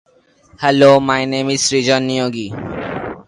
He later worked as an assistant coach at the Melbourne Storm under Craig Bellamy.